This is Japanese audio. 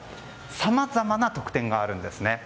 さまざまな特典があるんですね。